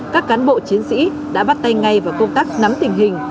chiến sĩ đã bắt tay ngay vào công tác nắm tình hình